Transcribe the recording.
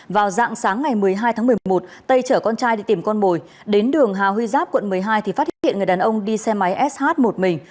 vào dạng sáng ngày một mươi hai tháng một mươi một tây chở con trai đi tìm con mồi đến đường hà huy giáp quận một mươi hai thì phát hiện người đàn ông đi xe máy sh một mình